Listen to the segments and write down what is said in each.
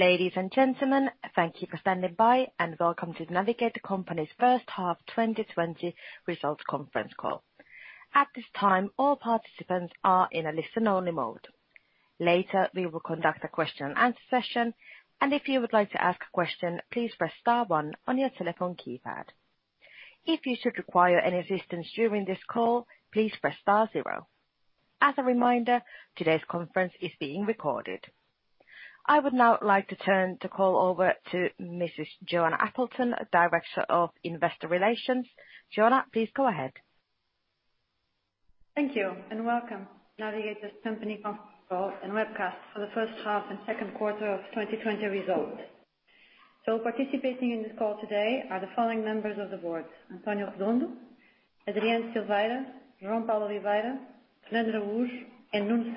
Ladies and gentlemen, thank you for standing by, and welcome to Navigator Company's first-half 2020 results conference call. At this time, all participants are in a listen-only mode. Later, we will conduct a question and answer session. If you would like to ask a question, please press star one on your telephone keypad. If you should require any assistance during this call, please press star zero. As a reminder, today's conference is being recorded. I would now like to turn the call over to Mrs. Joana Appleton, Director of Investor Relations. Joana, please go ahead. Thank you, and welcome. Navigator Company conference call and webcast for the first half and second quarter of 2020 results. Participating in this call today are the following members of the board: António Redondo, Adriano Silveira, João Paulo Oliveira, Fernando Araújo, and Nuno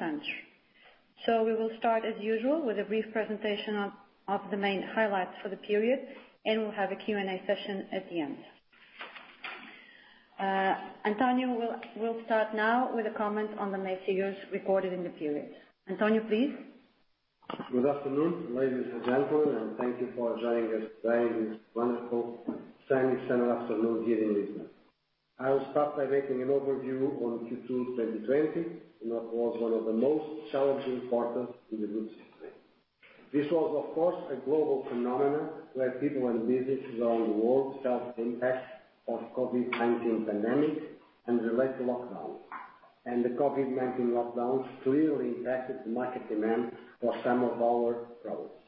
Santos. We will start, as usual, with a brief presentation of the main highlights for the period, and we'll have a Q&A session at the end. António will start now with a comment on the main figures recorded in the period. António, please. Good afternoon, ladies and gentlemen, and thank you for joining us today in this wonderful sunny summer afternoon here in Lisbon. I will start by making an overview on Q2 2020, what was one of the most challenging quarters in the group's history. This was, of course, a global phenomenon where people and businesses around the world felt the impact of COVID-19 pandemic and related lockdowns. The COVID-19 lockdowns clearly impacted market demand for some of our products.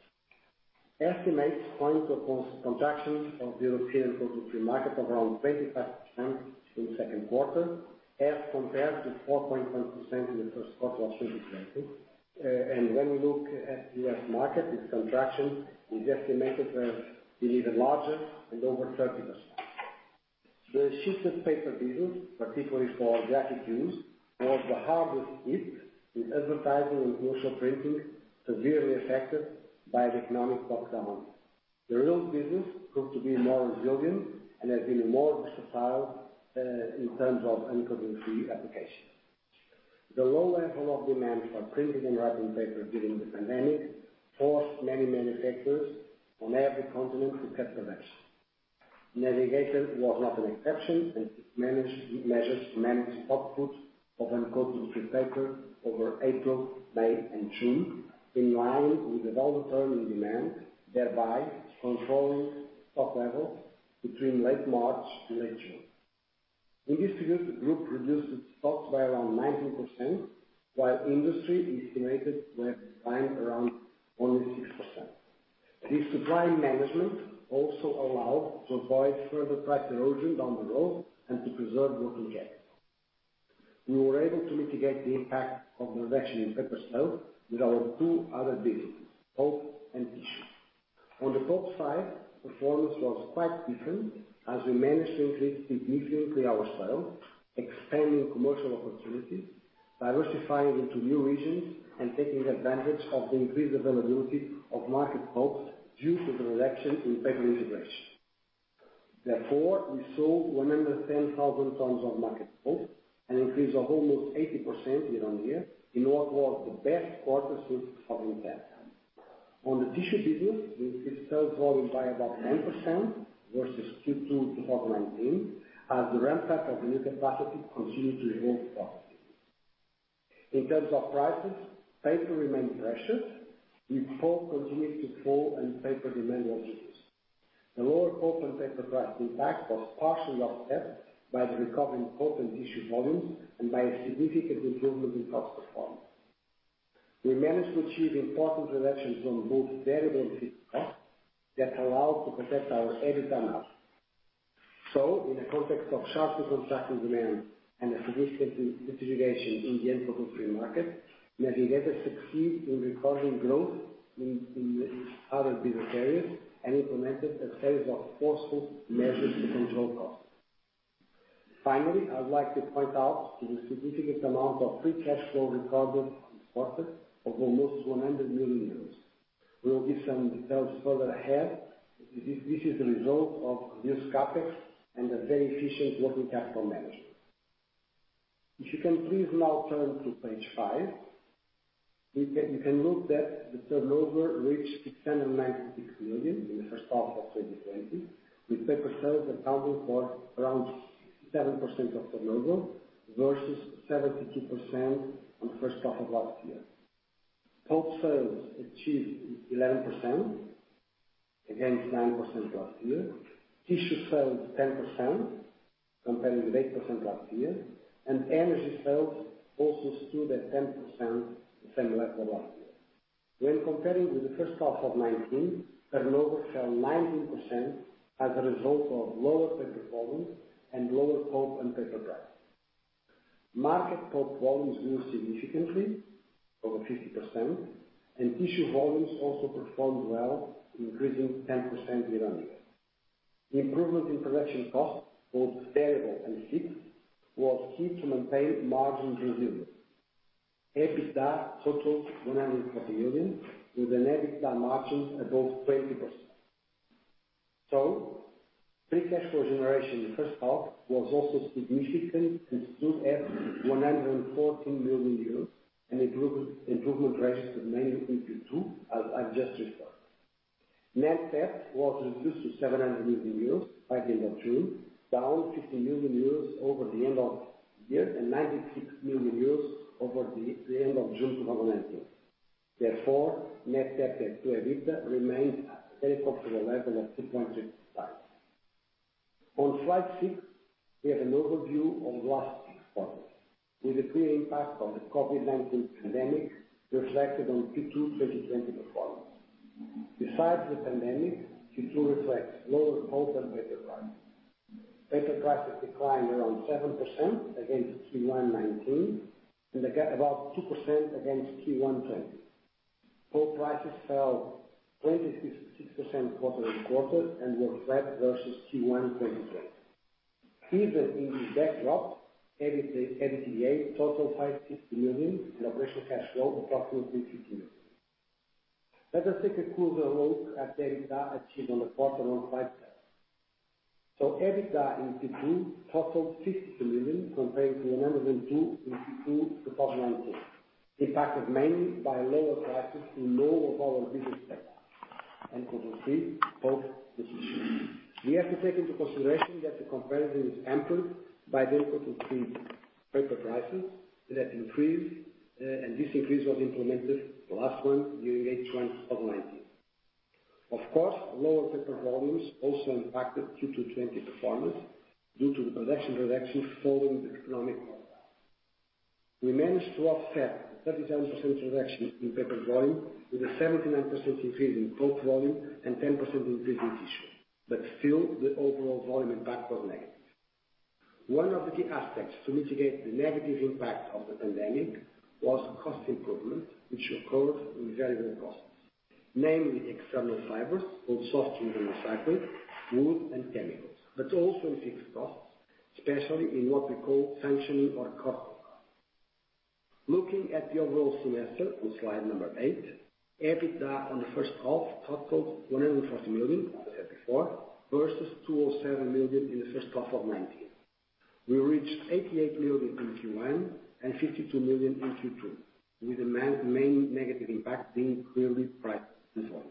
Estimates point to a contraction of the European uncoated woodfree market of around 25% in the second quarter as compared to 4.1% in the first quarter of 2020. When we look at the U.S. market, its contraction is estimated to be even larger and over 30%. The sheeted paper business, particularly for graphical grades, was the hardest hit, with advertising and commercial printing severely affected by the economic slowdown. The reel business proved to be more resilient and has been more versatile in terms of uncoated woodfree application. The low level of demand for printing and writing paper during the pandemic forced many manufacturers on every continent to cut production. Navigator was not an exception, and it took measures to manage output of uncoated woodfree paper over April, May, and June, in line with the downturn in demand, thereby controlling stock levels between late March to late June. In this period, the group reduced its stocks by around 19%, while industry is estimated to have declined around only 6%. This supply management also allowed to avoid further price erosion down the road and to preserve working capital. We were able to mitigate the impact of reduction in paper sales with our two other businesses, pulp and tissue. On the pulp side, performance was quite different as we managed to increase significantly our sale, expanding commercial opportunities, diversifying into new regions, and taking advantage of the increased availability of market pulp due to the reduction in paper integration. Therefore, we sold 110,000 tons of market pulp, an increase of almost 80% year-on-year in what was the best quarter since 2010. On the tissue business, we increased sales volume by about 9% versus Q2 2019 as the ramp-up of new capacity continued to evolve the product. In terms of prices, paper remained pressured with pulp continuing to fall and paper demand weakening. The lower pulp and paper price impact was partially offset by the recovery in pulp and tissue volumes and by a significant improvement in cost performance. We managed to achieve important reductions on both variable and fixed costs that allowed to protect our EBITDA margin. In the context of sharply contracting demand and a significant deterioration in the uncoated free market, Navigator succeeded in recording growth in other business areas and implemented a series of forceful measures to control costs. Finally, I would like to point out to the significant amount of free cash flow recorded in the quarter of almost 100 million. We will give some details further ahead. This is the result of reduced CapEx and a very efficient working capital management. If you can please now turn to page five, you can note that the turnover reached 696 million in the first half of 2020, with paper sales accounting for around 7% of turnover versus 17% on the first half of last year. Pulp sales achieved 11%, against 9% last year. Tissue sales, 10%, comparing with 8% last year. Energy sales also stood at 10%, the same level last year. When comparing with the first half of 2019, turnover fell 19% as a result of lower paper volumes and lower pulp and paper price. Market pulp volumes grew significantly, over 50%. Tissue volumes also performed well, increasing 10% year-on-year. Improvement in production costs, both variable and fixed, was key to maintain margins resilience. EBITDA totaled 140 million, with an EBITDA margin above 20%. Free cash flow generation in the first half was also significant and stood at 114 million euros, an improvement registered mainly in Q2, as I've just discussed. Net debt was reduced to 700 million euros by the end of June, down 50 million euros over the end of the year and 96 million euros over the end of June 2019. Net debt to EBITDA remained at very comfortable level of 2.5. On slide six, we have an overview of last six quarters, with the clear impact of the COVID-19 pandemic reflected on Q2 2020 performance. Besides the pandemic, Q2 reflects lower pulp and paper prices. Paper prices declined around 7% against Q1 2019, and about 2% against Q1 2020. Pulp prices fell 26% quarter-on-quarter and were flat versus Q1 2020. Even in this backdrop, EBITDA totaled 550 million and operational cash flow approximately 50 million. Let us take a closer look at the EBITDA achieved on the quarter on slide seven. EBITDA in Q2 totaled 52 million, compared to 102 million in Q2 2019, impacted mainly by lower prices in all of our business sectors. NCG, pulp, and tissue. We have to take into consideration that the comparison is hampered by the input of key paper prices that increased. This increase was implemented last month during H1 2019. Of course, lower paper volumes also impacted Q2 2020 performance due to the production reduction following the economic profile. We managed to offset the 37% reduction in paper volume with a 79% increase in pulp volume and 10% increase in tissue. Still, the overall volume impact was negative. One of the key aspects to mitigate the negative impact of the pandemic was cost improvement, which occurred in variable costs, namely external fibers, both soft and recycled, wood and chemicals, but also in fixed costs, especially in what we call functioning or corporate costs. Looking at the overall semester on slide number eight, EBITDA on the first half totaled 140 million, as I said before, versus 207 million in the first half of 2019. We reached 88 million in Q1 and 52 million in Q2, with the main negative impact being clearly price performance.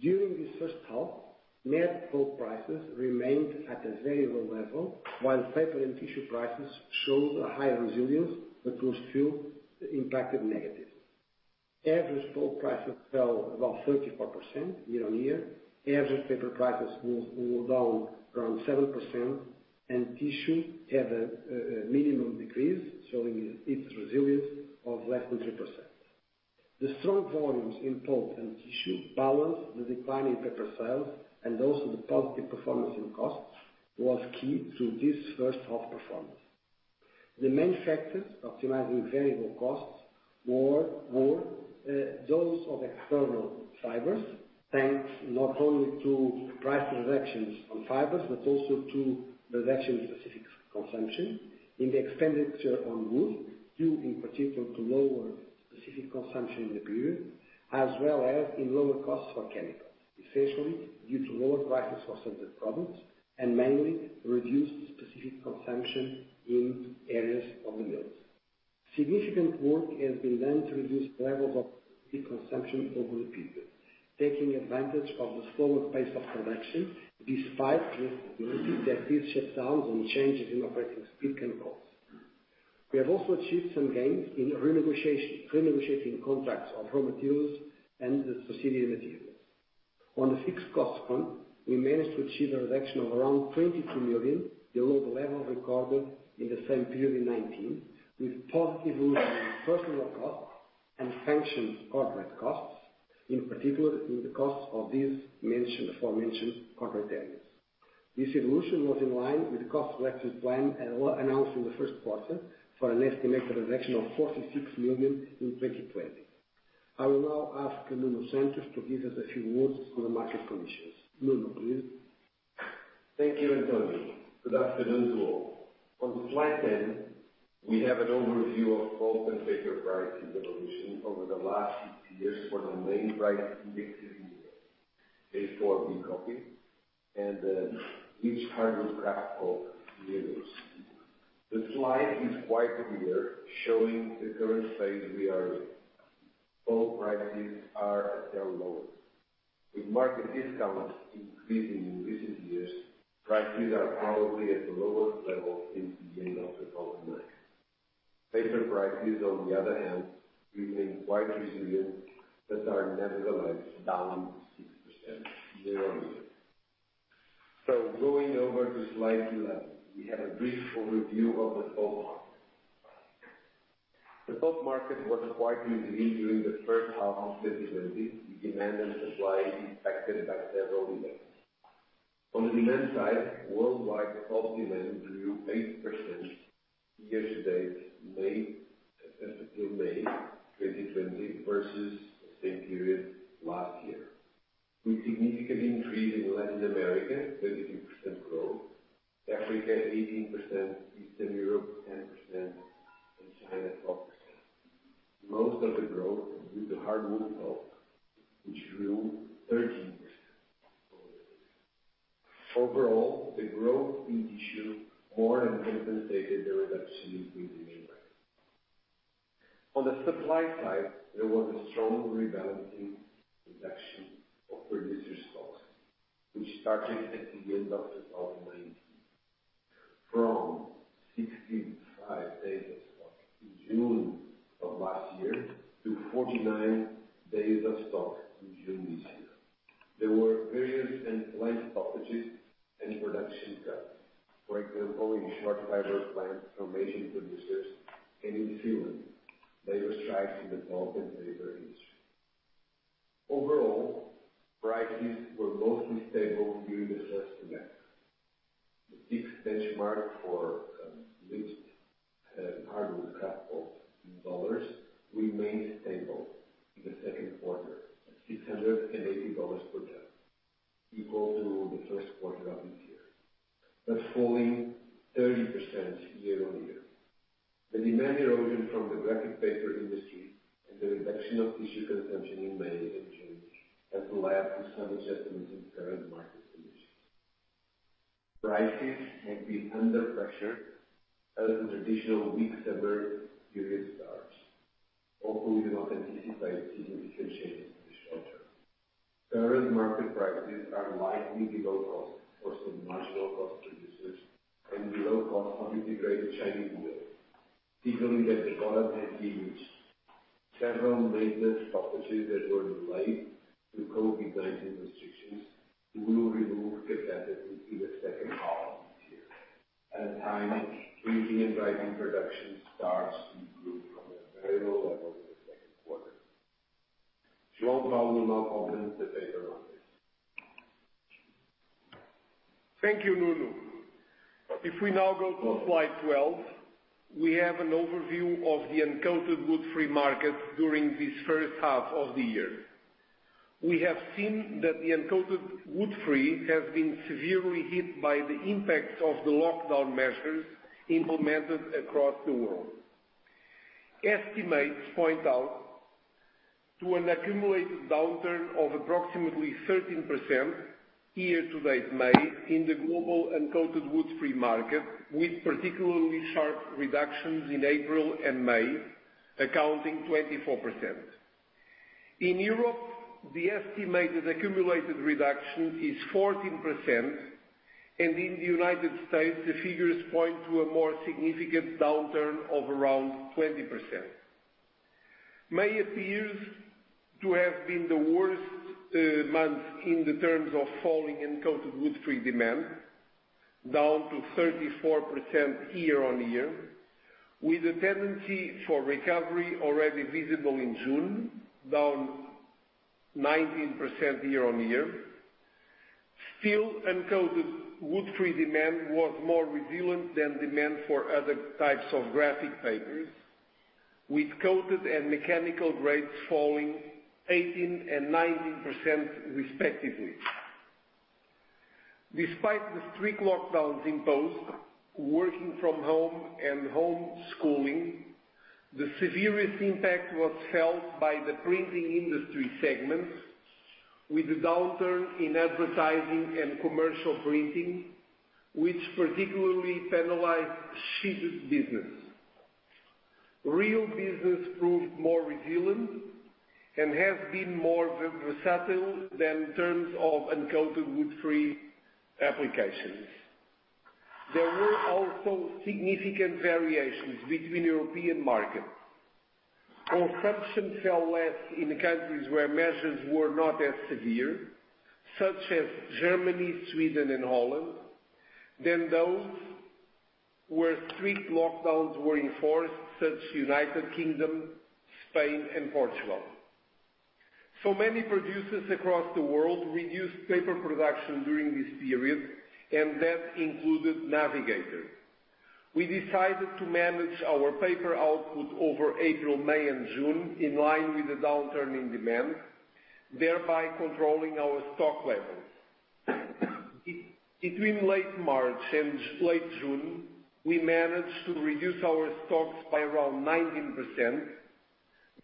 During this first half, net pulp prices remained at a very low level, while paper and tissue prices showed a high resilience but were still impacted negative. Average pulp prices fell about 34% year-on-year. Average paper prices were down around 7%. Tissue had a minimum decrease, showing its resilience of less than 3%. The strong volumes in pulp and tissue balanced the decline in paper sales. The positive performance in costs was key to this first half performance. The main factors optimizing variable costs were those of external fibers, thanks not only to price reductions on fibers, but also to reduction in specific consumption in the expenditure on wood, due in particular to lower specific consumption in the period, as well as in lower costs for chemicals, especially due to lower prices for certain products and mainly reduced specific consumption in areas of the mills. Significant work has been done to reduce levels of consumption over the period, taking advantage of the slower pace of production, despite recent activity shut downs and changes in operating speed controls. We have also achieved some gains in renegotiating contracts on raw materials and associated materials. On the fixed cost front, we managed to achieve a reduction of around 22 million below the level recorded in the same period in 2019, with positive evolution in personnel costs and function corporate costs, in particular in the costs of these aforementioned corporate areas. This evolution was in line with the cost reduction plan announced in the first quarter for an estimated reduction of 46 million in 2020. I will now ask Nuno Santos to give us a few words on the market conditions. Nuno, please. Thank you, António. Good afternoon to all. On slide 10, we have an overview of pulp and paper pricing evolution over the last six years for the main price indexes, A4 B-copy, and then each ton of graphical grades. The slide is quite clear, showing the current phase we are in. Pulp prices are at their lowest. With market discounts increasing in recent years, prices are probably at the lowest level since the end of 2009. Paper prices, on the other hand, remain quite resilient but are nevertheless down 6% year-over-year. Going over to slide 11, we have a brief overview of the pulp market. The pulp market was quite resilient during the first half of 2020 with demand and supply impacted by several events. On the demand side, worldwide pulp demand grew 8% year to date May 2020 versus the same period last year, with significant increase in Latin America, Africa 18%, Eastern Europe 10%, and China 12%. Most of the growth is due to hardwood pulp, which grew 13% quarter-over-quarter. Overall, the growth in tissue more than compensated the reduction in the newsprint. On the supply side, there was a strong rebalancing reduction of producer stocks, which started at the end of 2019, from 65 days of stock in June of last year to 49 days of stock in June this year. There were various plant stoppages and production cuts. For example, in short fiber plants from Asian producers and in Finland, there were strikes in the pulp and paper industry. Overall, prices were mostly stable during the first semester. The PIX benchmark for bleached hardwood kraft pulp in dollars remained stable in the second quarter at $680 per ton, equal to the first quarter of this year, falling 30% year-on-year. The demand erosion from the graphic paper industry and the reduction of tissue consumption in many countries has led to some uncertainty in current market conditions. Prices have been under pressure as the traditional weak summer period starts, although we do not anticipate significant changes in the short term. Current market prices are likely below cost for some marginal cost producers and below cost of integrated Chinese mills, signaling that the bottom has been reached. Several maintenance stoppages that were delayed through COVID-19 restrictions will remove capacity through the second half of this year, at a time Asian and Latin production starts to improve from their very low levels in the second quarter. João Paulo will now comment the paper market. Thank you, Nuno. If we now go to slide 12, we have an overview of the uncoated woodfree markets during this first half of the year. We have seen that the uncoated woodfree has been severely hit by the impact of the lockdown measures implemented across the world. Estimates point out to an accumulated downturn of approximately 13% year-to-date May, in the global uncoated woodfree market, with particularly sharp reductions in April and May, accounting 24%. In Europe, the estimated accumulated reduction is 14%, and in the United States, the figures point to a more significant downturn of around 20%. May appears to have been the worst month in terms of fall in uncoated woodfree demand, down to 34% year-on-year, with a tendency for recovery already visible in June, down 19% year-on-year. Still, uncoated woodfree demand was more resilient than demand for other types of graphic papers, with coated and mechanical grades falling 18% and 19%, respectively. Despite the strict lockdowns imposed, working from home and homeschooling, the severest impact was felt by the printing industry segments, with the downturn in advertising and commercial printing, which particularly penalized sheeted business. Reel business proved more resilient and has been more versatile than in terms of uncoated woodfree applications. There were also significant variations between European markets. Consumption fell less in the countries where measures were not as severe, such as Germany, Sweden, and Holland, than those where strict lockdowns were enforced, such U.K., Spain, and Portugal. Many producers across the world reduced paper production during this period, and that included Navigator. We decided to manage our paper output over April, May, and June in line with the downturn in demand, thereby controlling our stock levels. Between late March and late June, we managed to reduce our stocks by around 19%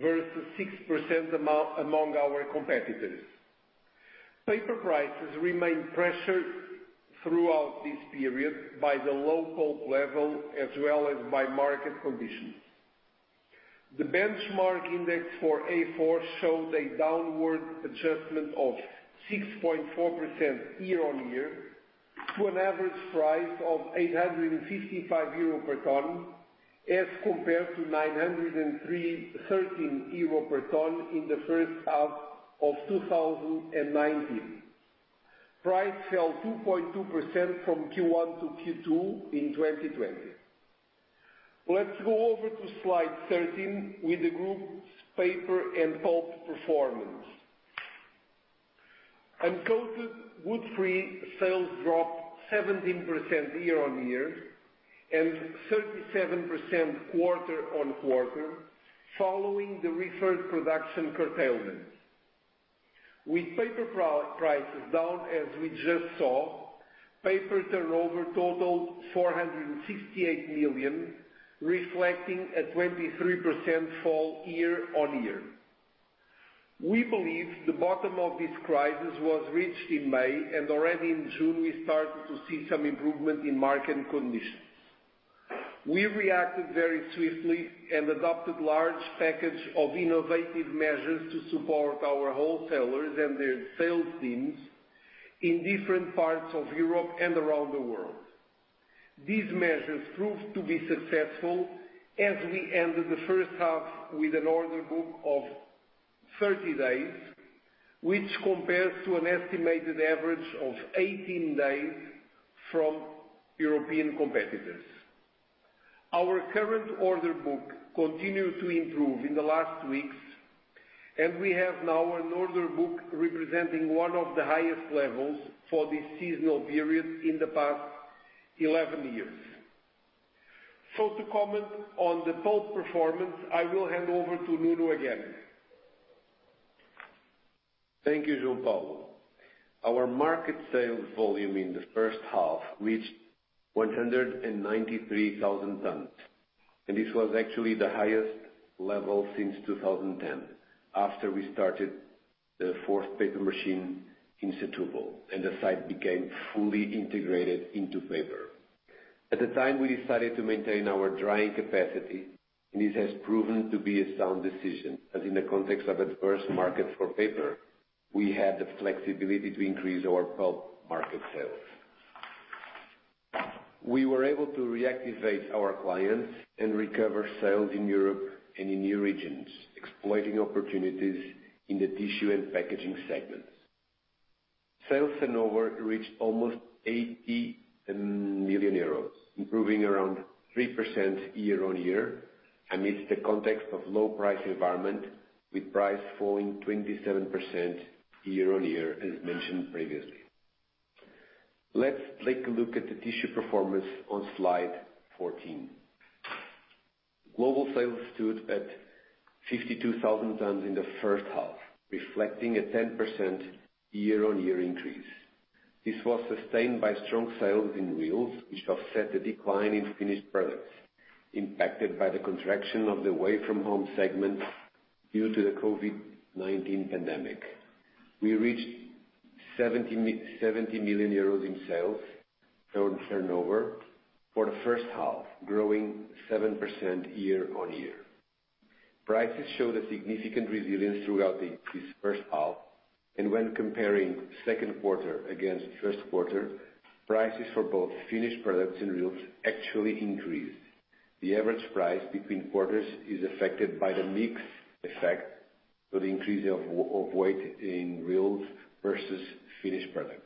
versus 6% among our competitors. Paper prices remained pressured throughout this period by the low pulp level as well as by market conditions. The benchmark index for A4 showed a downward adjustment of 6.4% year-on-year to an average price of 855 euro per ton as compared to 913 euro per ton in the first half of 2019. Price fell 2.2% from Q1 to Q2 in 2020. Let's go over to slide 13 with the group's paper and pulp performance. Uncoated woodfree sales dropped 17% year-on-year and 37% quarter-on-quarter following the referred production curtailment. With paper prices down as we just saw, paper turnover totaled 468 million, reflecting a 23% fall year-on-year. We believe the bottom of this crisis was reached in May, and already in June, we started to see some improvement in market conditions. We reacted very swiftly and adopted large package of innovative measures to support our wholesalers and their sales teams in different parts of Europe and around the world. These measures proved to be successful as we ended the first half with an order book of 30 days, which compares to an estimated average of 18 days from European competitors. Our current order book continued to improve in the last weeks, and we have now an order book representing one of the highest levels for this seasonal period in the past 11 years. To comment on the pulp performance, I will hand over to Nuno again. Thank you, João Paulo. Our market sales volume in the first half reached 193,000 tons. This was actually the highest level since 2010, after we started the fourth paper machine in Setúbal, and the site became fully integrated into paper. At the time, we decided to maintain our drying capacity. This has proven to be a sound decision, as in the context of adverse markets for paper, we had the flexibility to increase our pulp market sales. We were able to reactivate our clients and recover sales in Europe and in new regions, exploiting opportunities in the tissue and packaging segments. Sales turnover reached almost 80 million euros, improving around 3% year-on-year amidst the context of low price environment, with price falling 27% year-on-year, as mentioned previously. Let's take a look at the tissue performance on slide 14. Global sales stood at 52,000 tons in the first half, reflecting a 10% year-on-year increase. This was sustained by strong sales in reels, which offset the decline in finished products, impacted by the contraction of the away-from-home segments due to the COVID-19 pandemic. We reached 70 million euros in sales turnover for the first half, growing 7% year-on-year. Prices showed a significant resilience throughout this first half. When comparing second quarter against first quarter, prices for both finished products and reels actually increased. The average price between quarters is affected by the mix effect of the increase of weight in reels versus finished products.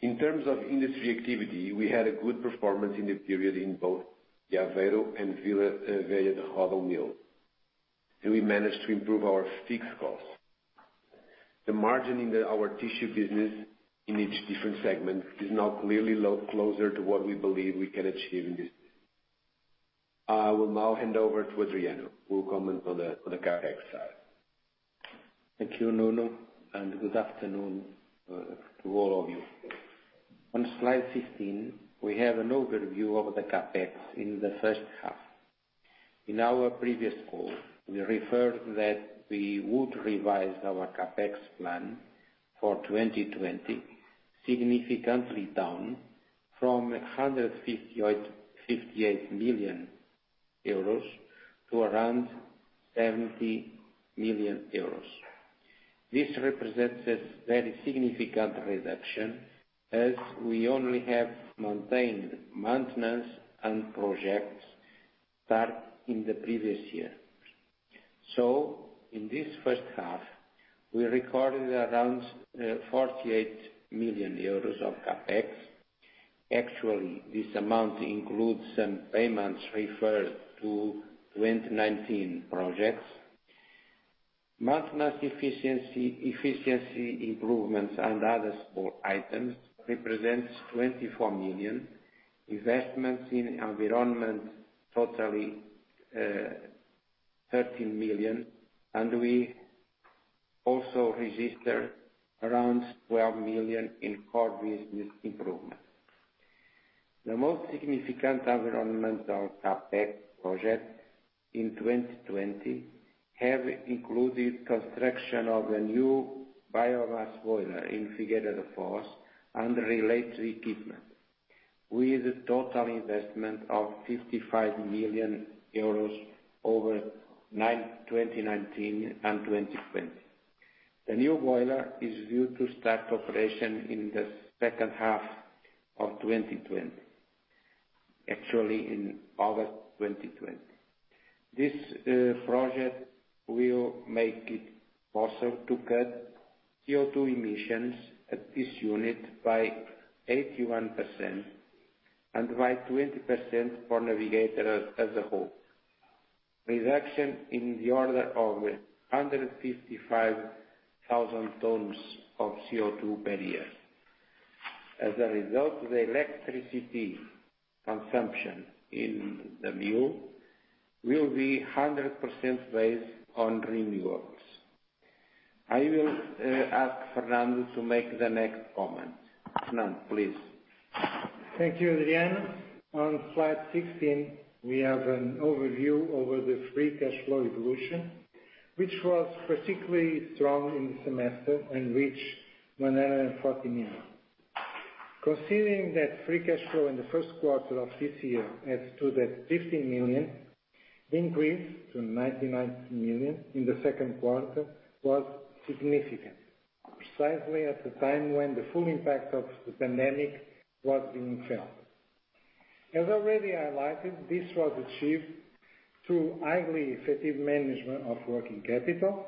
In terms of industry activity, we had a good performance in the period in both Aveiro and Vila do Conde mill. We managed to improve our fixed costs. The margin in our tissue business in each different segment is now clearly closer to what we believe we can achieve in this. I will now hand over to Adriano, who will comment on the CapEx side. Thank you, Nuno, and good afternoon to all of you. On slide 15, we have an overview of the CapEx in the first half. In our previous call, we referred that we would revise our CapEx plan for 2020 significantly down from 158 million euros to around 70 million euros. This represents a very significant reduction as we only have maintained maintenance and projects start in the previous year. In this first half, we recorded around 48 million euros of CapEx. Actually, this amount includes some payments referred to 2019 projects. Maintenance efficiency improvements and other support items represents 24 million. Investments in environment, totally, 13 million. We also registered around 12 million in core business improvements. The most significant environmental CapEx project in 2020 have included construction of a new biomass boiler in Figueira da Foz and related equipment with a total investment of 55 million euros over 2019 and 2020. The new boiler is due to start operation in the second half of 2020, actually in August 2020. This project will make it possible to cut CO2 emissions at this unit by 81% and by 20% for Navigator as a whole. Reduction in the order of 155,000 tons of CO2 per year. As a result, the electricity consumption in the mill will be 100% based on renewables. I will ask Fernando to make the next comment. Fernando, please. Thank you, Adriano. On slide 16, we have an overview over the free cash flow evolution, which was particularly strong in the semester and reached 140 million. Considering that free cash flow in the first quarter of this year adds to that 50 million, the increase to 99 million in the second quarter was significant, precisely at the time when the full impact of the pandemic was being felt. As already highlighted, this was achieved through highly effective management of working capital,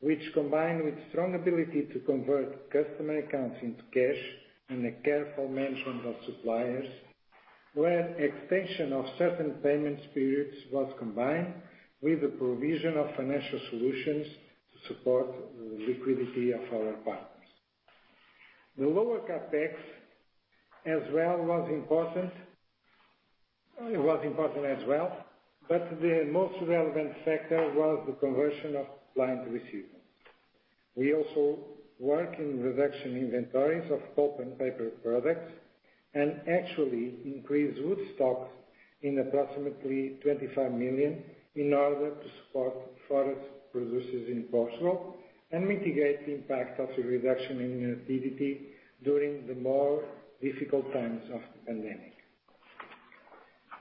which combined with strong ability to convert customer accounts into cash and a careful management of suppliers, where extension of certain payment periods was combined with the provision of financial solutions to support the liquidity of our partners. The lower CapEx was important as well, but the most relevant factor was the conversion of client receivables. We also work in reduction inventories of pulp and paper products. Actually increased wood stocks in approximately 25 million in order to support forest producers in Portugal and mitigate the impact of the reduction in activity during the more difficult times of the pandemic.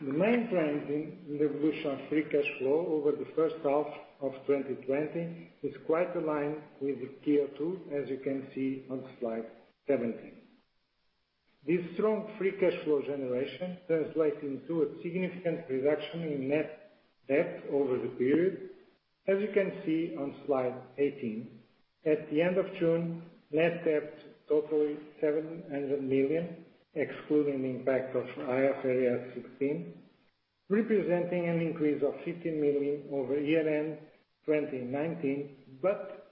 The main trends in the evolution of free cash flow over the first half of 2020 is quite aligned with the Q2, as you can see on slide 17. This strong free cash flow generation translates into a significant reduction in net debt over the period. As you can see on slide 18, at the end of June, net debt totaling 700 million, excluding the impact of IFRS 16, representing an increase of 50 million over year-end 2019,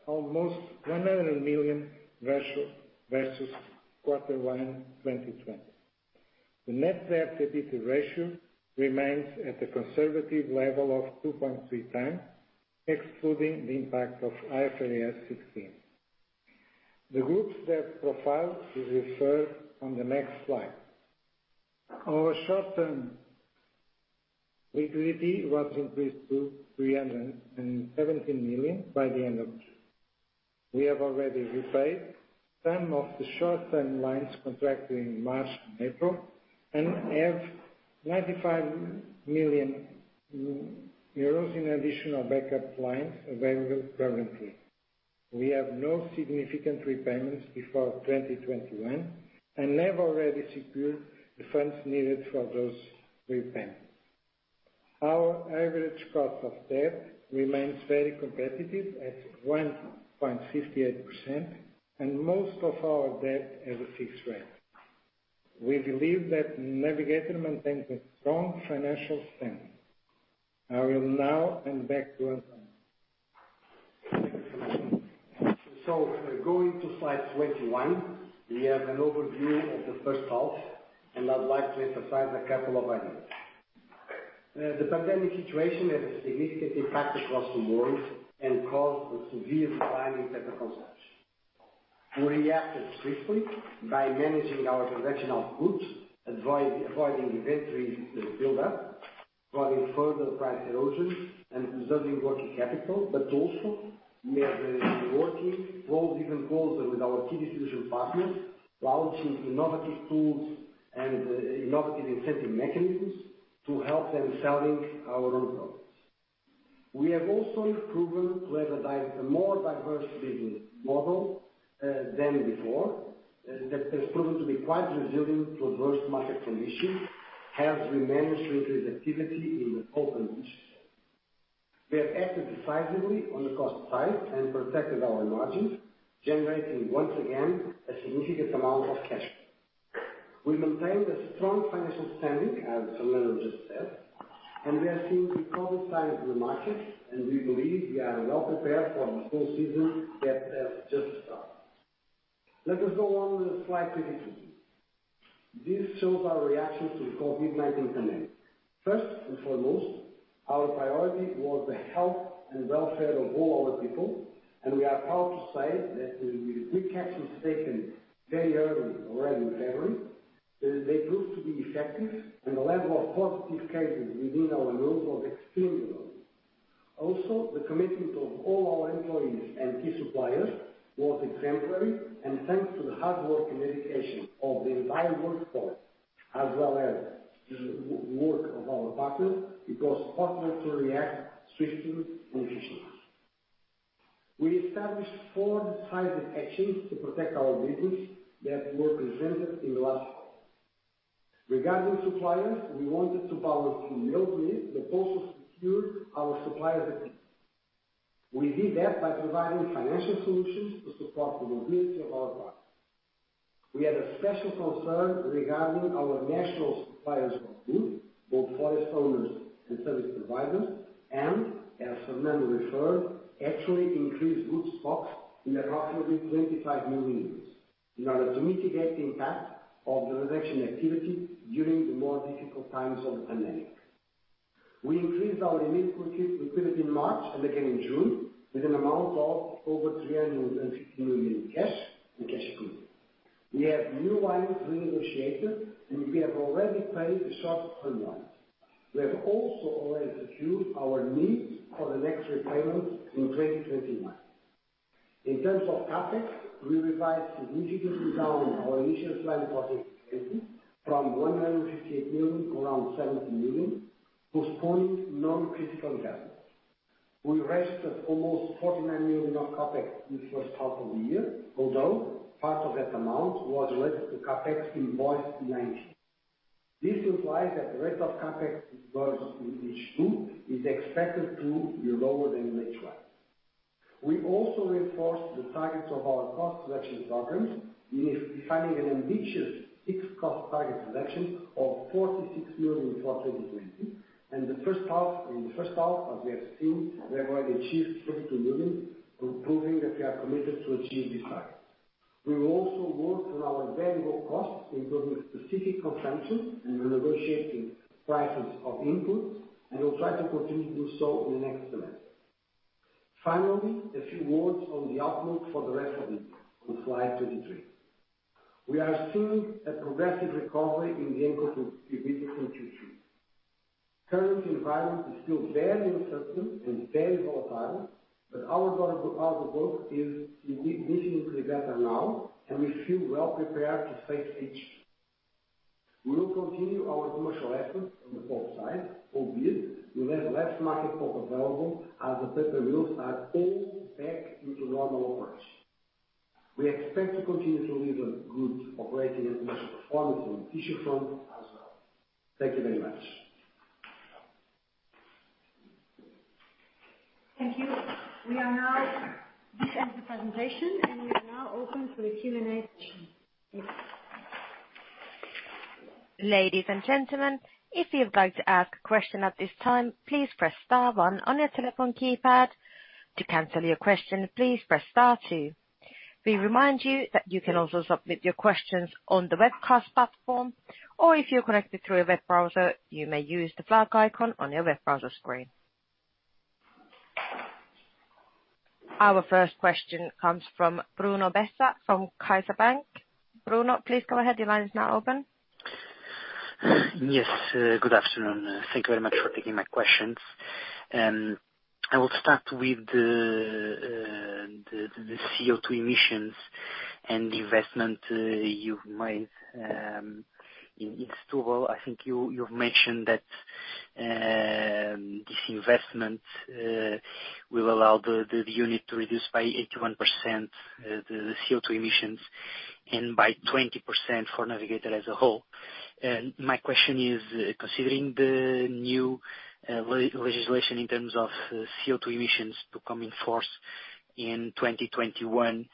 almost 100 million versus quarter one 2020. The net debt to EBITDA ratio remains at a conservative level of 2.3 times, excluding the impact of IFRS 16. The group's debt profile is referred on the next slide. Our short-term liquidity was increased to 317 million by the end of Q2. We have already repaid some of the short-term lines contracted in March and April and have 95 million euros in additional backup lines available presently. We have no significant repayments before 2021 and have already secured the funds needed for those repayments. Our average cost of debt remains very competitive at 1.58%, and most of our debt has a fixed rate. We believe that Navigator maintains a strong financial standing. I will now hand back to Adriano. Thank you, Fernando. Going to slide 21, we have an overview of the first half, and I'd like to emphasize a couple of ideas. The pandemic situation had a significant impact across the world and caused a severe decline in paper consumption. We reacted swiftly by managing our production outputs, avoiding inventory build-up, avoiding further price erosion, and preserving working capital. Also, we have been working even closer with our key distribution partners, launching innovative tools and innovative incentive mechanisms to help them selling our own products. We have also proven to have a more diverse business model than before, that has proven to be quite resilient to adverse market conditions as we manage reduced activity in the pulp and niche. We have acted decisively on the cost side and protected our margins, generating, once again, a significant amount of cash flow. We've maintained a strong financial standing, as Fernando just said, and we are seeing recovery signs in the market, and we believe we are well prepared for the full season that has just started. Let us go on to slide 22. This shows our reaction to the COVID-19 pandemic. First and foremost, our priority was the health and welfare of all our people, and we are proud to say that with the quick actions taken very early already in February, they proved to be effective, and the level of positive cases within our group was extremely low. Also, the commitment of all our employees and key suppliers was exemplary, and thanks to the hard work and dedication of the entire workforce, as well as the work of our partners, it was possible to react swiftly and efficiently. We established four decisive actions to protect our business that were presented in the last slide. Regarding suppliers, we wanted to balance the wellbeing that also secured our supplier's equity. We did that by providing financial solutions to support the wellbeing of our suppliers. We had a special concern regarding our national suppliers of wood, both forest owners and service providers, and as Fernando referred, actually increased wood stocks in approximately 25 million euros in order to mitigate the impact of the reduction activity during the more difficult times of the pandemic. We increased our liquidity in March and again in June with an amount of over 350 million cash and cash equivalent. We have new lines renegotiated, we have already paid the shortest term ones. We have also already secured our needs for the next repayments in 2021. In terms of CapEx, we revised significantly down our initial plan for 2020 from 158 million to around 70 million, postponing non-critical CapEx. We invested almost 49 million of CapEx in the first half of the year, although part of that amount was related to CapEx invoiced in H1. This implies that the rest of CapEx in H2 is expected to be lower than H1. We also reinforced the targets of our cost reduction programs in defining an ambitious fixed cost target reduction of 46 million for 2020. In the first half, as we have seen, we have already achieved 32 million, proving that we are committed to achieve this target. We will also work on our variable costs, improving specific consumption and renegotiating prices of input, we'll try to continue doing so in the next semester. A few words on the outlook for the rest of the year on slide 23. We are seeing a progressive recovery in the end consumer business in Q2. Current environment is still very uncertain and very volatile, but our outlook is significantly better now, and we feel well prepared to face it. We will continue our commercial efforts on the pulp side, albeit we have less market pulp available as the paper mills are all back into normal operation. We expect to continue to deliver good operating and financial performance on the tissue front as well. Thank you very much. Thank you. This ends the presentation, and we are now open for the Q&A session. Ladies and gentlemen, if you would like to ask a question at this time, please press star one on your telephone keypad. To cancel your question, please press star two. We remind you that you can also submit your questions on the webcast platform, or if you're connected through a web browser, you may use the flag icon on your web browser screen. Our first question comes from Bruno Bessa from CaixaBank. Bruno, please go ahead. Your line is now open. Yes. Good afternoon. Thank you very much for taking my questions. I will start with the CO2 emissions and the investment you made in Setúbal. I think you've mentioned that this investment will allow the unit to reduce by 81% the CO2 emissions and by 20% for Navigator as a whole. My question is, considering the new legislation in terms of CO2 emissions to come in force in 2021,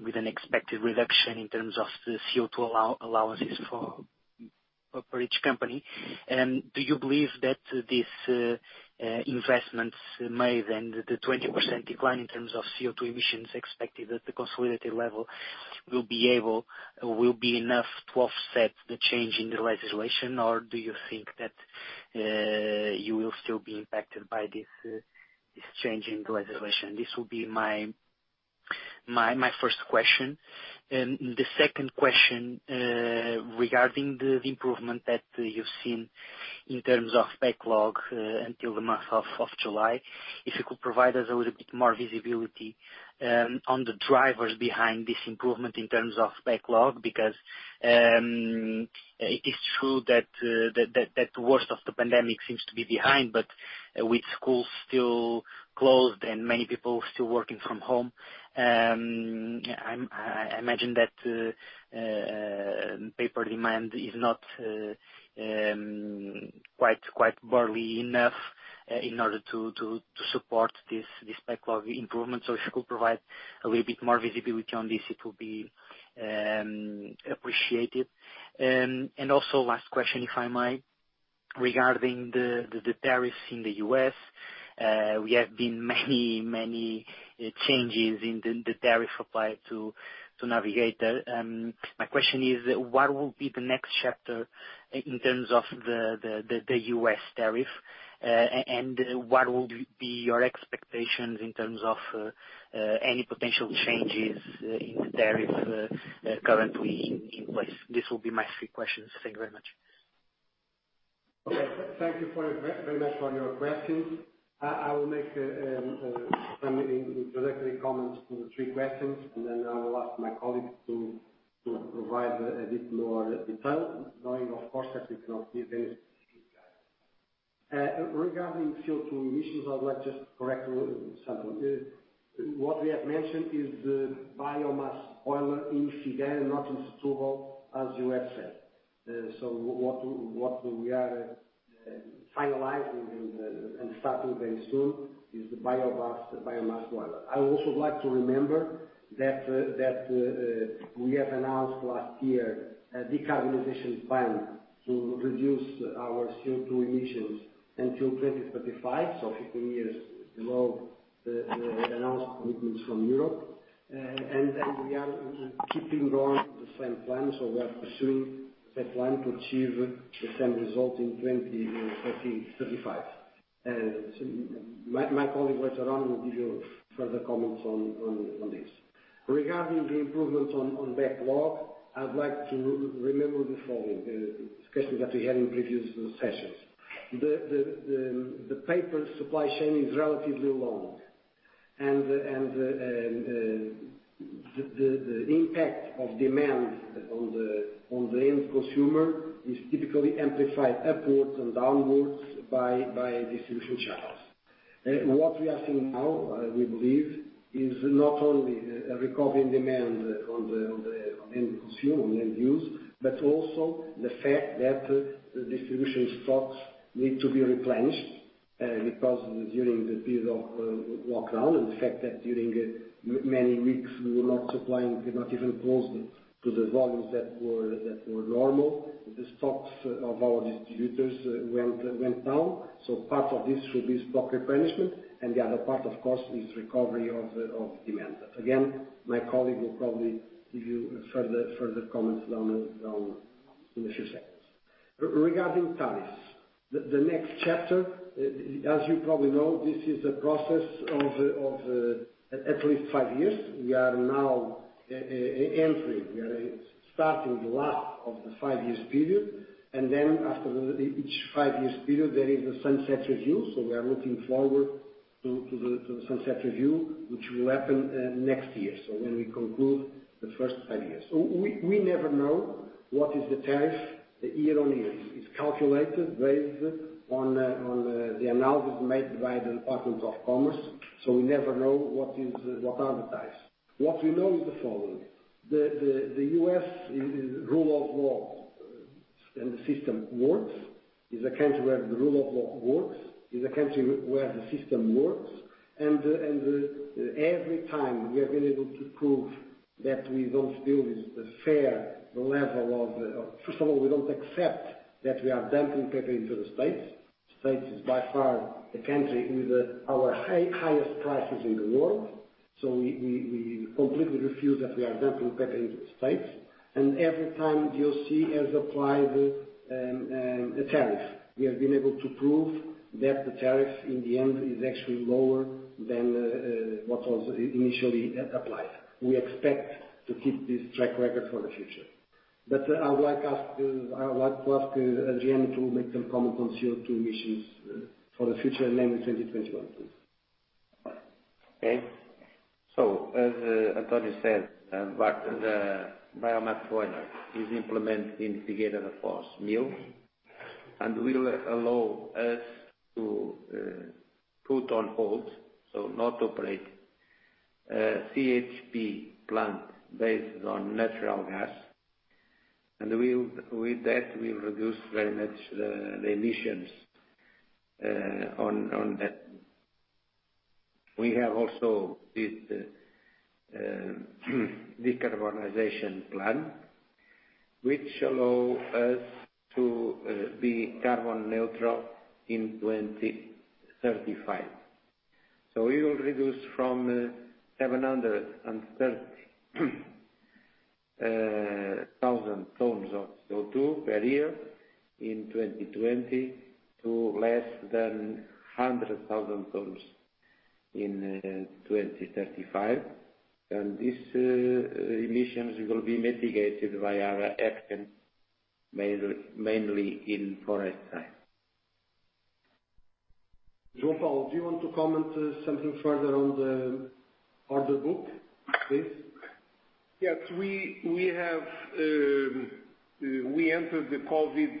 with an expected reduction in terms of the CO2 allowances for each company, do you believe that these investments made and the 20% decline in terms of CO2 emissions expected at the consolidated level will be enough to offset the change in the legislation, or do you think that you will still be impacted by this change in the legislation? This will be my first question. The second question, regarding the improvement that you've seen in terms of backlog until the month of July. If you could provide us a little bit more visibility on the drivers behind this improvement in terms of backlog, because it is true that the worst of the pandemic seems to be behind, but with schools still closed and many people still working from home, I imagine that paper demand is not quite barely enough in order to support this backlog improvement. If you could provide a little bit more visibility on this, it will be appreciated. Also last question, if I might, regarding the tariffs in the U.S. We have been many changes in the tariff applied to Navigator. My question is, what will be the next chapter in terms of the U.S. tariff? What would be your expectations in terms of any potential changes in the tariff currently in place? This will be my three questions. Thank you very much. Okay. Thank you very much for your questions. I will make some introductory comments to the three questions, then I will ask my colleagues to provide a bit more detail. Knowing, of course, that we cannot give any specific guidance. Regarding CO2 emissions, I would like just to correct something. What we have mentioned is the biomass boiler in Figueira da Foz, not in Setúbal, as you have said. What we are finalizing and starting very soon is the biomass boiler. I also would like to remember that we have announced last year a decarbonization plan to reduce our CO2 emissions until 2035, so 15 years below the announced commitments from Europe. We are keeping going with the same plan, so we are pursuing that plan to achieve the same result in 2035. My colleague later on will give you further comments on this. Regarding the improvements on backlog, I'd like to remember the following, the discussion that we had in previous sessions. The paper supply chain is relatively long, and the impact of demand on the end consumer is typically amplified upwards and downwards by distribution channels. What we are seeing now, we believe, is not only a recovery in demand on the end consumer, on end use, but also the fact that the distribution stocks need to be replenished, because during the period of lockdown and the fact that during many weeks we were not supplying, we were not even close to the volumes that were normal. The stocks of our distributors went down. Part of this should be stock replenishment, and the other part, of course, is recovery of demand. Again, my colleague will probably give you further comments in a few seconds. Regarding tariffs, the next chapter, as you know, this is a process of at least five years. We are now starting the last of the five years period. Then after each five years period, there is a sunset review. We are looking forward to the sunset review, which will happen next year, when we conclude the first five years. We never know what is the tariffyear-on-year. It is calculated based on the analysis made by the Department of Commerce. We never know what are the tariffs. What we know is the following. The U.S. rule of law and the system works. It is a country where the rule of law works. It is a country where the system works. First of all, we don't accept that we are dumping paper into the states. States is by far the country with our highest prices in the world. We completely refuse that we are dumping paper into the U.S. Every time DOC has applied a tariff, we have been able to prove that the tariff in the end is actually lower than what was initially applied. We expect to keep this track record for the future. I would like to ask Adriano to make some comment on CO2 emissions for the future and then in 2021 please. Okay. As António said, the biomass boiler is implemented in Figueira da Foz mill and will allow us to put on hold, so not operate, a CHP plant based on natural gas. With that, we've reduced very much the emissions on that. We have also this decarbonization plan, which allow us to be carbon neutral in 2035. We will reduce from 730,000 tons of CO2 per year in 2020 to less than 100,000 tons in 2035. These emissions will be mitigated by our action mainly in forest time. João Paulo, do you want to comment something further on the order book, please? Yes. We entered the COVID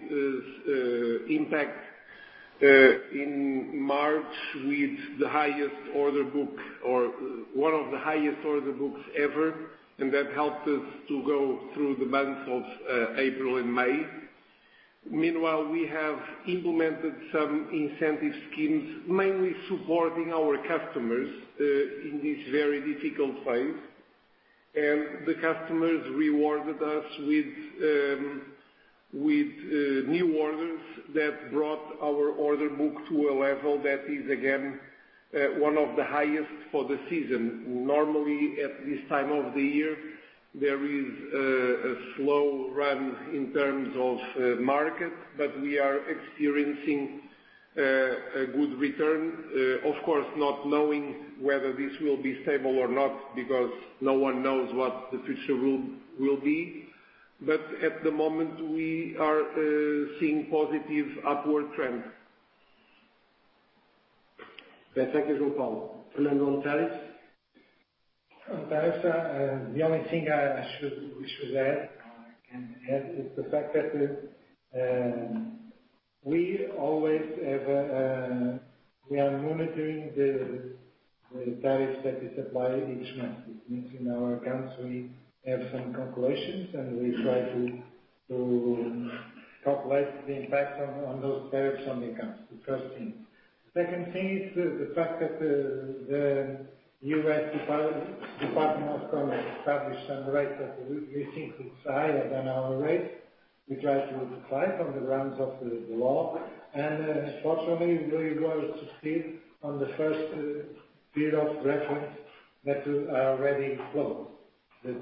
impact in March with the highest order book or one of the highest order books ever. That helped us to go through the months of April and May. Meanwhile, we have implemented some incentive schemes, mainly supporting our customers, in this very difficult phase. The customers rewarded us with new orders that brought our order book to a level that is again, one of the highest for the season. Normally at this time of the year, there is a slow run in terms of market. We are experiencing a good return. Of course, not knowing whether this will be stable or not because no one knows what the future road will be. At the moment, we are seeing positive upward trend. Perfect, João Paulo. Fernando, on tariffs? On tariffs, the only thing we should add, or I can add. We are always monitoring the tariffs that is applied each month. It means in our accounts, we have some calculations, and we try to calculate the impact on those tariffs on the accounts, the first thing. The second thing is the fact that the U.S. Department of Commerce established some rates that we think it's higher than our rate. We tried to fight on the grounds of the law, and fortunately, we were able to succeed on the first period of reference that already closed. The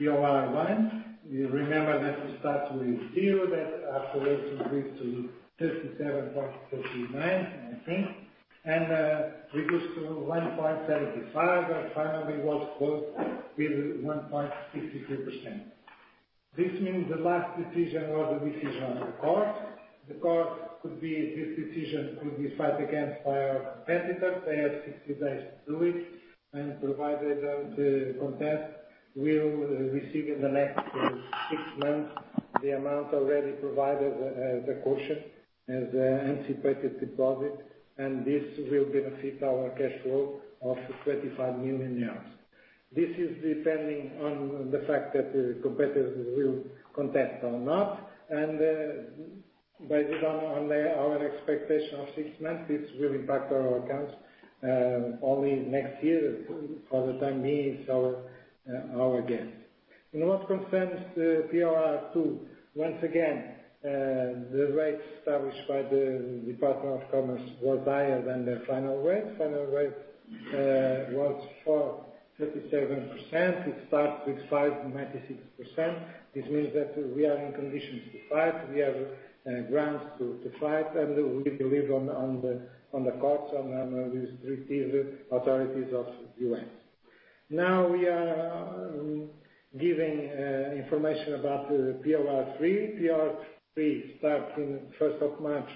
POR1, you remember that we started with 0, that after raising it to 37.39, I think, and reduced to 1.75, and finally was closed with 1.62%. This means the last decision was the decision on the court. This decision could be fought against by our competitor. They have 60 days to do it, and provided they don't contest, we'll receive in the next six months the amount already provided as a caution, as anticipated deposit, and this will benefit our cash flow of 35 million euros. This is depending on the fact that the competitors will contest or not, and based on our expectation of six months, it will impact our accounts only next year. For the time being, it's our gain. In what concerns the POR2, once again, the rates established by the Department of Commerce were higher than the final rate. Final rate was 4.37%. It started with 5.96%. This means that we are in conditions to fight. We have grounds to fight, and we believe on the courts, on the restrictive authorities of the U.S. We are giving information about the POR3. POR3 starts in 1st of March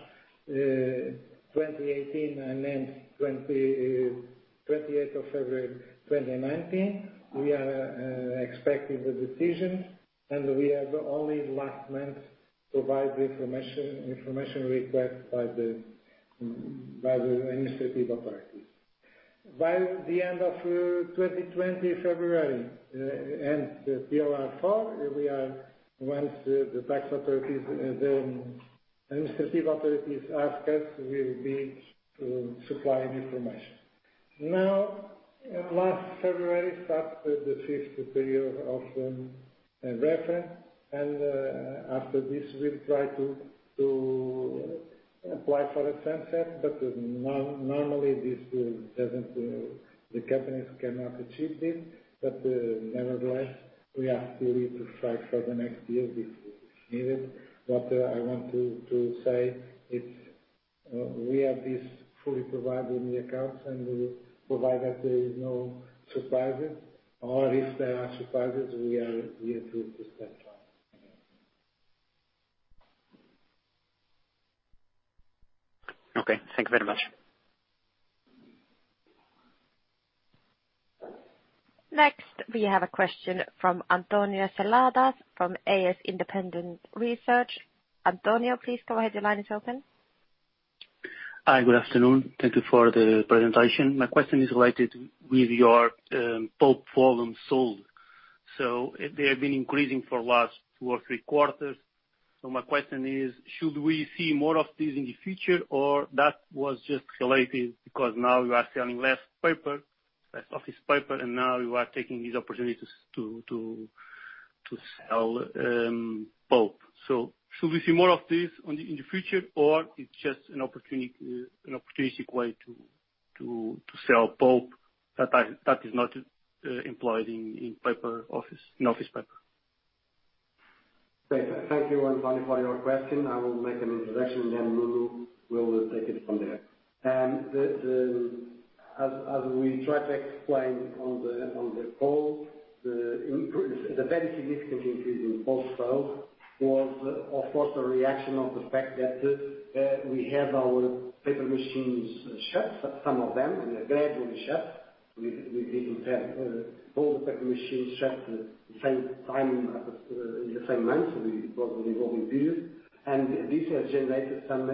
2018 and ends 28th of February 2019. We are expecting the decision, and we have only last month provided the information requested by the administrative authorities. By the end of 2020, February, and POR4, once the administrative authorities ask us, we'll be supplying information. Now, last February starts the fifth period of reference, and after this, we'll try to apply for a sunset, but normally the companies cannot achieve this. Nevertheless, we are fully to fight for the next year if needed. What I want to say, we have this fully provided in the accounts, and we will provide that there is no surprises. If there are surprises, we are good to tackle. Okay, thank you very much. Next, we have a question from António Seladas from AS Independent Research. António, please go ahead. Your line is open. Hi, good afternoon. Thank you for the presentation. My question is related with your pulp volume sold. They have been increasing for last two or three quarters. My question is, should we see more of this in the future, or that was just related because now you are selling less office paper, and now you are taking these opportunities to sell pulp? Should we see more of this in the future, or it's just an opportunistic way to sell pulp that is not employed in office paper? Thank you, António, for your question. I will make an introduction, then Nuno will take it from there. As we tried to explain on the call, the very significant increase in pulp sale was of course, a reaction of the fact that we have our paper machines shut, some of them gradually shut. We didn't have both paper machines shut in the same month, it was in evolving periods. This has generated some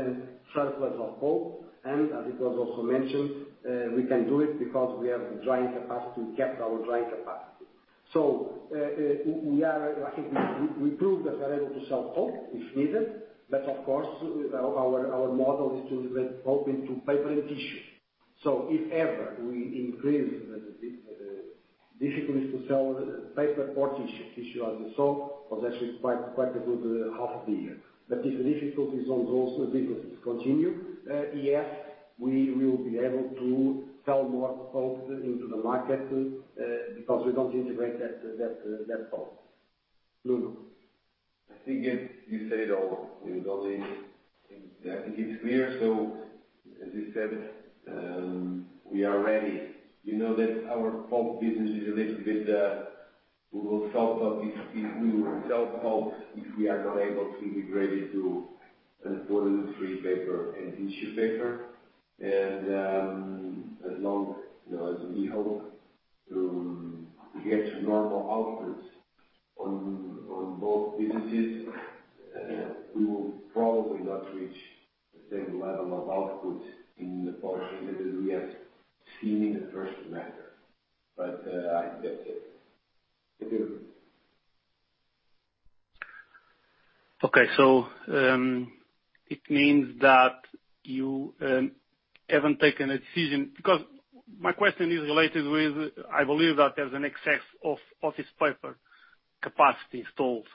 surplus of pulp, as it was also mentioned, we can do it because we have the drying capacity. We kept our drying capacity. We proved that we're able to sell pulp if needed, of course, our model is to convert pulp into paper and tissue. If ever we increase the difficulties to sell paper or tissue as we saw, was actually quite a good half year. If the difficulties on those businesses continue, yes, we will be able to sell more pulp into the market, because we don't integrate that pulp. Nuno. I think you said it all. I think it's clear. As you said, we are ready. You know that our pulp business is a little bit, we will sell pulp if we are not able to integrate it to paper and tissue. In tissue paper. As long as we hope to get to normal outputs on both businesses, we will probably not reach the same level of output in the portion that we have seen in the first semester. I get it. It means that you haven't taken a decision, because my question is related with, I believe that there's an excess of office paper capacity installed.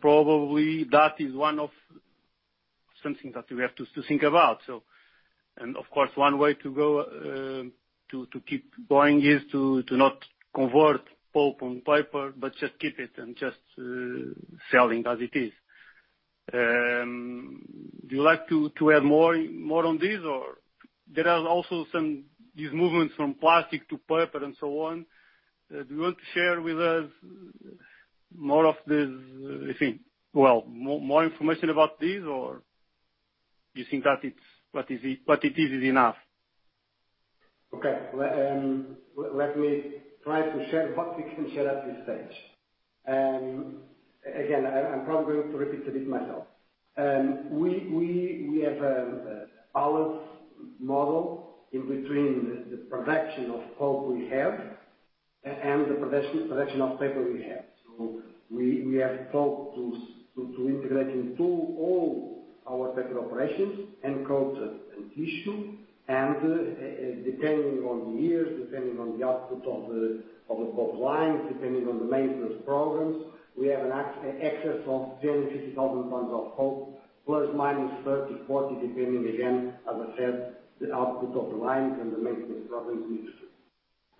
Probably that is one of something that we have to think about. Of course, one way to keep going is to not convert pulp and paper, but just keep it and just selling as it is. Would you like to add more on this? There are also these movements from plastic to paper and so on. Do you want to share with us more information about this, or you think what it is is enough? Okay. Let me try to share what we can share at this stage. I'm probably going to repeat a bit myself. We have a balanced model in between the production of pulp we have and the production of paper we have. We have pulp to integrate into all our paper operations and coated and tissue. Depending on the years, depending on the output of the both lines, depending on the maintenance programs, we have an excess of 10,000-50,000 tons of pulp, plus or minus 30,000-40,000, depending again, as I said, the output of the lines and the maintenance programs.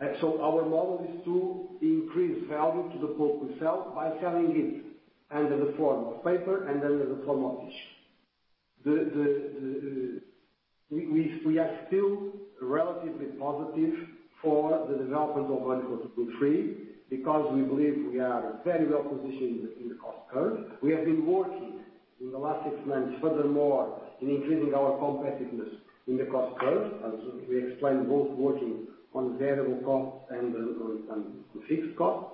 Our model is to increase value to the pulp we sell by selling it under the form of paper and under the form of tissue. We are still relatively positive for the development of uncoated woodfree because we believe we are very well positioned in the cost curve. We have been working in the last six months, furthermore, in increasing our competitiveness in the cost curve, as we explained, both working on variable costs and the fixed cost.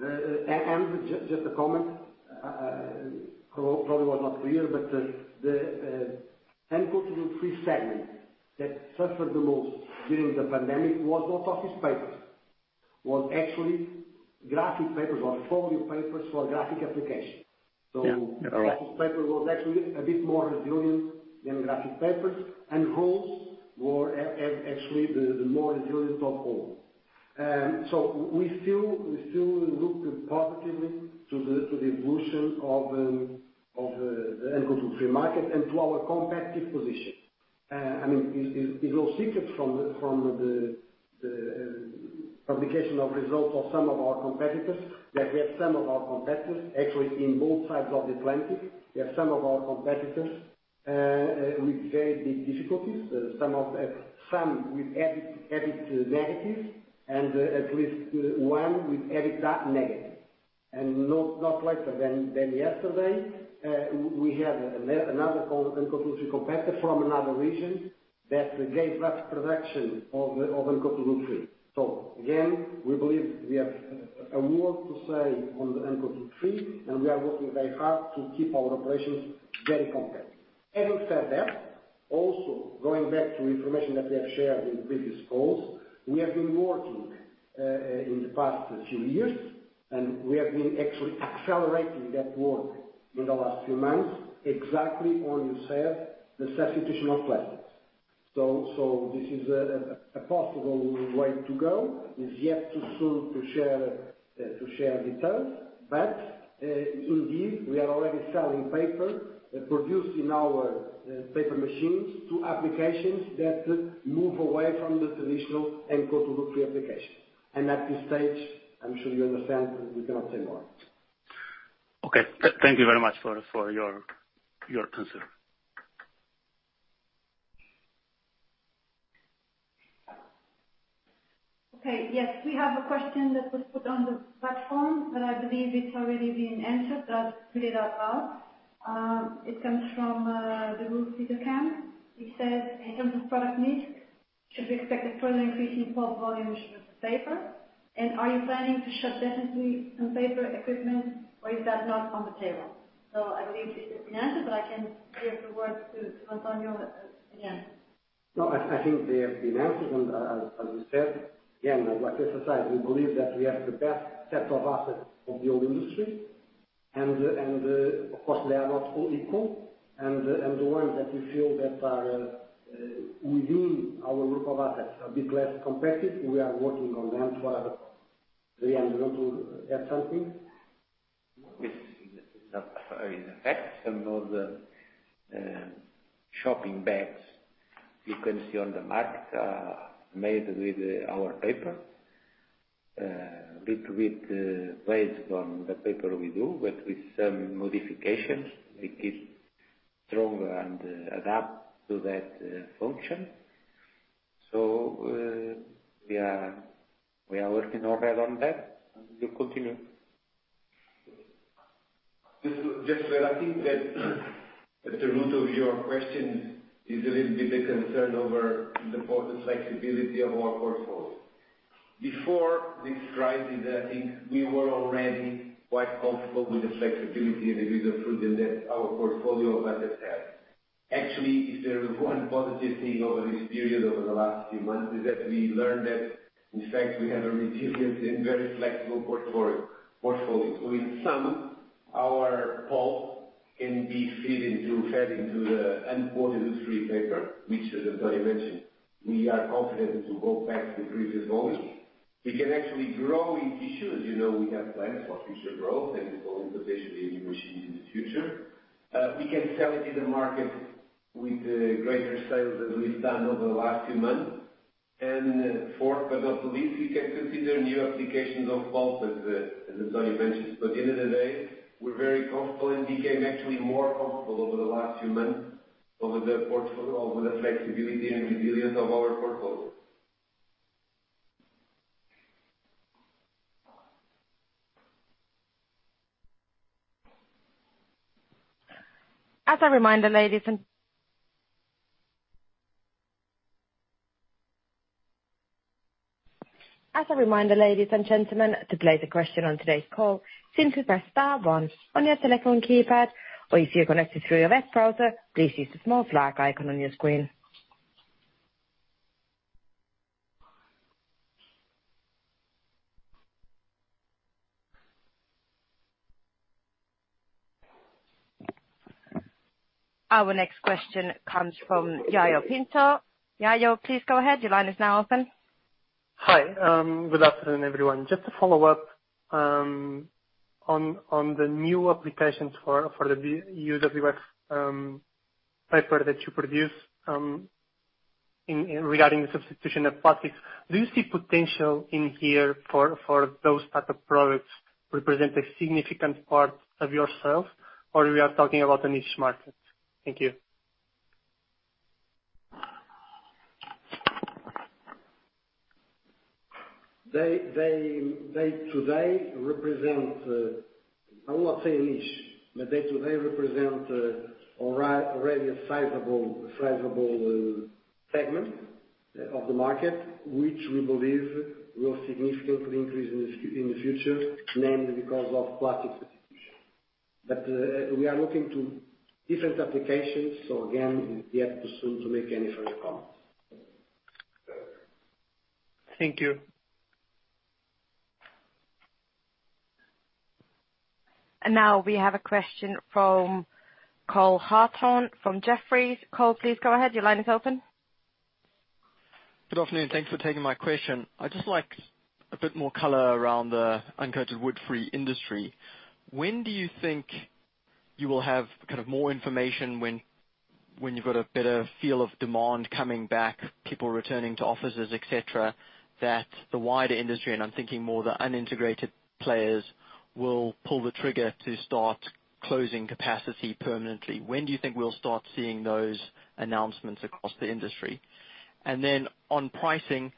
Just a comment, probably was not clear, but the uncoated woodfree segment that suffered the most during the pandemic was not office papers, was actually graphical grades or folio papers for graphical application. Yeah. Office paper was actually a bit more resilient than graphic papers, and rolls were actually the more resilient of all. We still look positively to the evolution of the uncoated free market and to our competitive position. It's no secret from the publication of results of some of our competitors that we have some of our competitors actually in both sides of the Atlantic. We have some of our competitors with very big difficulties, some with EBIT negatives, and at least one with EBITDA negative. Not later than yesterday, we had another uncoated free competitor from another region that gave up production of uncoated free. Again, we believe we have a word to say on the uncoated free, and we are working very hard to keep our operations very competitive. Having said that, also going back to information that we have shared in previous calls, we have been working in the past few years, and we have been actually accelerating that work in the last few months exactly on you said, the substitution of plastics. This is a possible way to go. It's yet too soon to share details, but indeed we are already selling paper produced in our paper machines to applications that move away from the traditional uncoated free application. At this stage, I'm sure you understand we cannot say more. Okay. Thank you very much for your answer. Okay. Yes, we have a question that was put on the platform, but I believe it's already been answered. That cleared up well. It comes from the group, Petercam. He says, "In terms of product mix, should we expect a further increase in pulp volumes with the paper? Are you planning to shut definitely some paper equipment, or is that not on the table?" I believe it's been answered, but I can give the word to António again. No, I think they have been answered. As we said, again, like I said, we believe that we have the best set of assets of the old industry. Of course, they are not all equal. The ones that we feel that are within our group of assets are a bit less competitive, we are working on them for other. Araújo, do you want to add something? Yes. In effect, some of the shopping bags you can see on the market are made with our paper. Based on the paper we do, but with some modifications, make it stronger and adapt to that function. We are working already on that and will continue. Just where I think that at the root of your question is a little bit of concern over the importance, flexibility of our portfolio. Before this crisis, I think we were already quite comfortable with the flexibility and the resilience that our portfolio has itself. Actually, if there is one positive thing over this period, over the last few months, is that we learned that, in fact, we have a resilient and very flexible portfolio. To sum up, our pulp can be fed into the uncoated woodfree paper, which António mentioned. We are confident to go back to previous volumes. We can actually grow in tissue. As you know, we have plans for future growth and for potentially new machines in the future. We can sell it in the market with the greater sales as we've done over the last few months. Fourth, but not least, we can consider new applications of pulp, as António mentioned. At the end of the day, we're very comfortable and became actually more comfortable over the last few months over the portfolio, over the flexibility and resilience of our portfolio. As a reminder, ladies and gentlemen, to place a question on today's call, simply press star one on your telephone keypad, or if you're connected through your web browser, please use the small flag icon on your screen. Our next question comes from Jaime Pinto. Jaime, please go ahead. Your line is now open. Hi. Good afternoon, everyone. Just to follow up on the new applications for the UWF paper that you produce regarding the substitution of plastics, do you see potential in here for those type of products represent a significant part of your sales? We are talking about a niche market? Thank you. They today represent, I will not say a niche, but they today represent already a sizable segment of the market, which we believe will significantly increase in the future, namely because of plastic substitution. We are looking to different applications. Again, it is yet too soon to make any further comments. Thank you. Now we have a question from Cole Hathorn from Jefferies. Cole, please go ahead. Your line is open. Good afternoon. Thanks for taking my question. I'd just like a bit more color around the uncoated woodfree industry. When do you think you will have more information when you've got a better feel of demand coming back, people returning to offices, et cetera, that the wider industry, and I'm thinking more the unintegrated players, will pull the trigger to start closing capacity permanently? When do you think we'll start seeing those announcements across the industry? Then on pricing,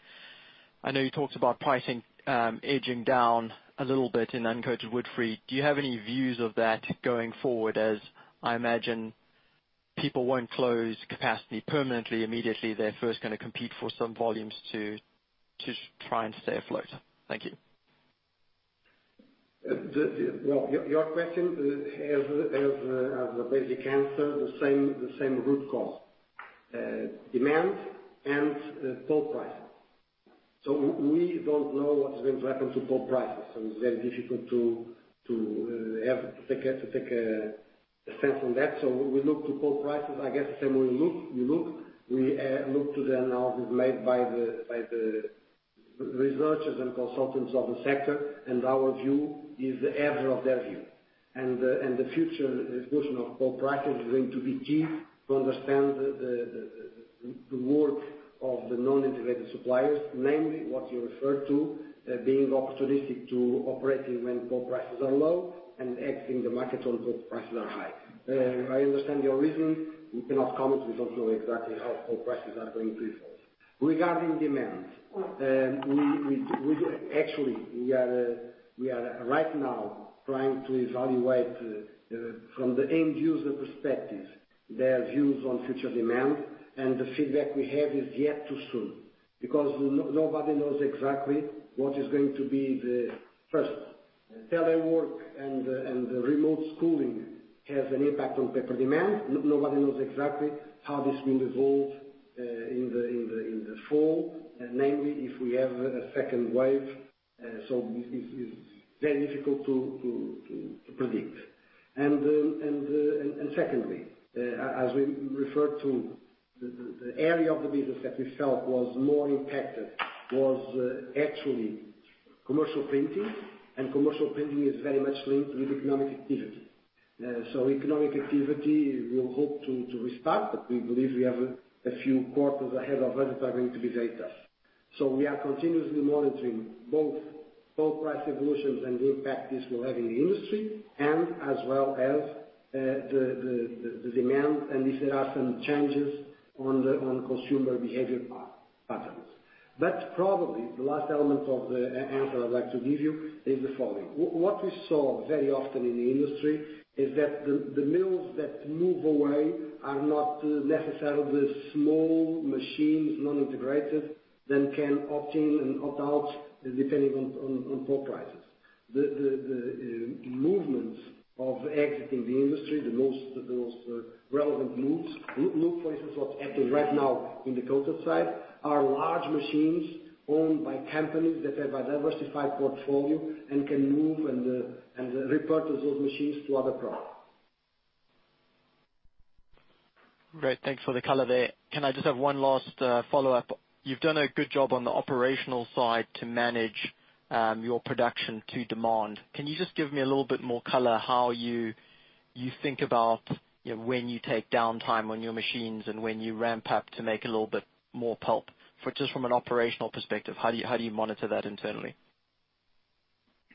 I know you talked about pricing edging down a little bit in uncoated woodfree. Do you have any views of that going forward, as I imagine people won't close capacity permanently immediately; they're first going to compete for some volumes to try and stay afloat. Thank you. Well, your question has the basic answer, the same root cause, demand and pulp pricing. We don't know what is going to happen to pulp prices, so it's very difficult to have, to take a sense on that. We look to pulp prices, I guess the same way you look, we look to the analysis made by the researchers and consultants of the sector, and our view is the average of their view. The future evolution of pulp prices is going to be key to understand the work of the non-integrated suppliers, namely what you referred to, being opportunistic to operating when pulp prices are low and exiting the market when pulp prices are high. I understand your reasoning. We cannot comment. We don't know exactly how pulp prices are going to evolve. Regarding demand, actually, we are right now trying to evaluate, from the end user perspective, their views on future demand. The feedback we have is yet too soon, because nobody knows exactly what is going to be the first. Telework and remote schooling has an impact on paper demand. Nobody knows exactly how this is going to evolve in the fall, namely if we have a second wave. It's very difficult to predict. Secondly, as we referred to, the area of the business that we felt was more impacted was actually commercial printing. Commercial printing is very much linked with economic activity. Economic activity, we hope to restart, but we believe we have a few quarters ahead of us that are going to be very tough. We are continuously monitoring both pulp price evolutions and the impact this will have in the industry, and as well as the demand and if there are some changes on consumer behavior patterns. Probably the last element of the answer I'd like to give you is the following. What we saw very often in the industry is that the mills that move away are not necessarily small machines, non-integrated, then can opt in and opt out depending on pulp prices. The movements of exiting the industry, those relevant moves, look, for instance, what's happening right now in the coated woodfree side, are large machines owned by companies that have a diversified portfolio and can move and repurpose those machines to other products. Great. Thanks for the color there. Can I just have one last follow-up? You've done a good job on the operational side to manage your production to demand. Can you just give me a little bit more color how you think about when you take downtime on your machines and when you ramp up to make a little bit more pulp? Just from an operational perspective, how do you monitor that internally?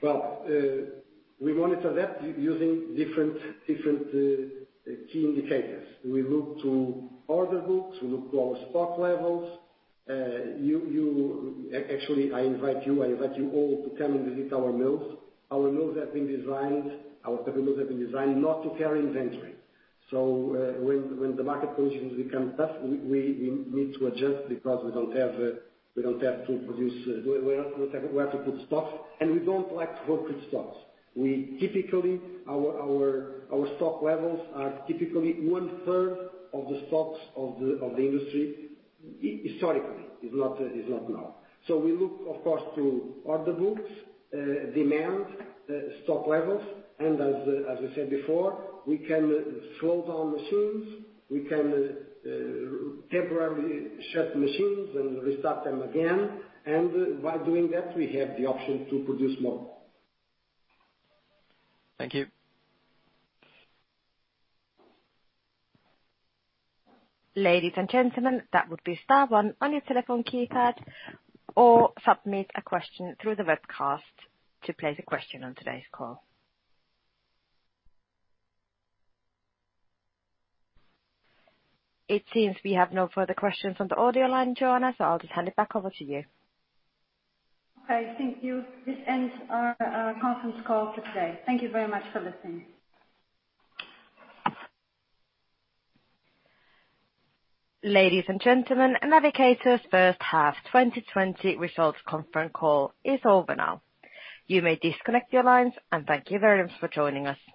We monitor that using different key indicators. We look to order books. We look to our stock levels. Actually, I invite you all to come and visit our mills. Our paper mills have been designed not to carry inventory. When the market conditions become tough, we need to adjust because we have to put stock and we don't like to work with stocks. Our stock levels are typically one-third of the stocks of the industry historically, is not now. We look, of course, to order books, demand, stock levels, and as I said before, we can slow down machines. We can temporarily shut machines and restart them again. By doing that, we have the option to produce more. Thank you. Ladies and gentlemen, that would be star one on your telephone keypad or submit a question through the webcast to place a question on today's call. It seems we have no further questions on the audio line, Joana, so I'll just hand it back over to you. Okay. Thank you. This ends our conference call for today. Thank you very much for listening. Ladies and gentlemen, Navigator's first half 2020 results conference call is over now. You may disconnect your lines, and thank you very much for joining us.